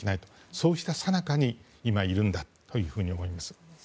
そうしたさなかに今いるんだと思います。